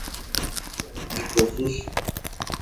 Mboýpiko osẽ ko sushi.